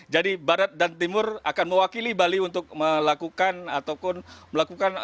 jadi barat dan timur akan mewakili bali untuk melakukan ataupun melakukan